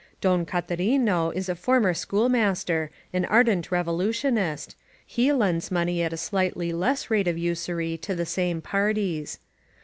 Don Catarino is a for mer schoolmaster, an ardent Revolutionist — ^he lends money at a slightly less rate of usury to the same parties.